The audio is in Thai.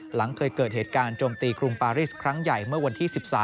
หลังเคยเกิดเหตุการณ์โจมตีกรุงปาริสครั้งใหญ่เมื่อวันที่๑๓